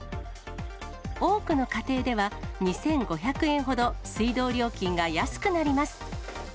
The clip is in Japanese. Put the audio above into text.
多くの家庭では、２５００円ほど水道料金が安くなります。